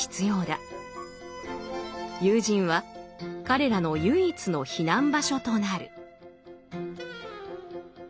友人は彼らの唯一の避難場所となる。